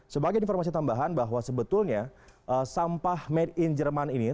sebagai informasi tambahan bahwa sebetulnya sampah made in jerman ini